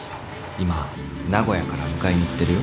今名古屋からお迎えに行ってるよ。